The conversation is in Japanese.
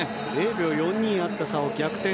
０秒４２あった差を逆転。